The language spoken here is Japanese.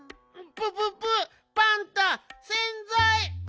プププパンタせんざい！